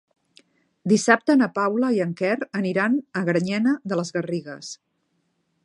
Dissabte na Paula i en Quer aniran a Granyena de les Garrigues.